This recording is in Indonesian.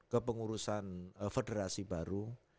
ke pengurusan federasi baru